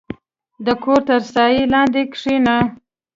• د کور تر سایې لاندې کښېنه.